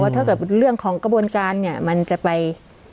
ถ้าเกิดเรื่องของกระบวนการเนี่ยมันจะไป